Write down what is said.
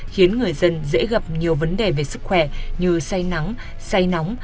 khiến người dân dễ gặp nhiều vấn đề về sức khỏe như say nắng say nóng